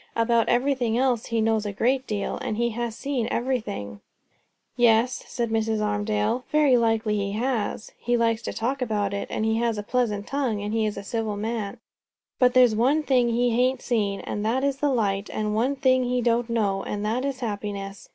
"About everything else he knows a great deal; and he has seen everything." "Yes," said Mrs. Armadale; "very like he has; and he likes to talk about it; and he has a pleasant tongue; and he is a civil man. But there's one thing he hain't seen, and that is the light; and one thing he don't know, and that is happiness.